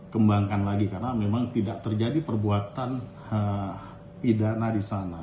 kembangkan lagi karena memang tidak terjadi perbuatan pidana di sana